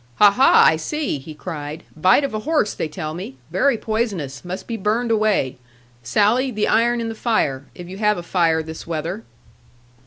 'Ha, ha! I see,' he cried; 'bite of a horse, they tell me. Very poisonous; must be burned away. Sally, the iron in the fire. If you have a fire, this weather.'